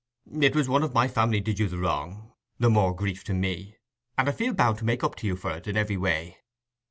It was one of my family did you the wrong—the more grief to me—and I feel bound to make up to you for it in every way.